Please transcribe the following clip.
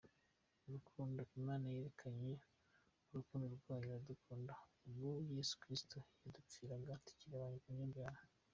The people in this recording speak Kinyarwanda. Urukundo: “Imana yerekanye urukundo rwayo idukunda, ubwo Kristo Yesu yadupfiraga tukiri abanyabyaha.